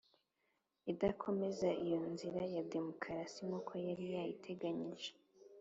idakomeza iyo nzira ya demokarasi nk'uko yari yayiteganyije,